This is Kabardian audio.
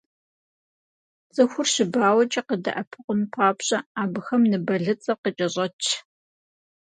Цӏыхур щыбауэкӏэ къыдэӏэпыкъун папщӏэ, абыхэм ныбэлыцӏыр къыкӏэщӏэтщ.